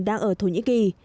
đang ở thổ nhĩ kỳ